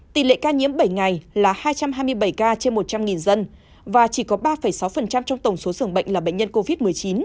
tỷ lệ ca nhiễm bảy ngày là hai trăm hai mươi bảy ca trên một trăm linh dân và chỉ có ba sáu trong tổng số dường bệnh là bệnh nhân covid một mươi chín